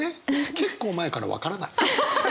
結構前から分からない。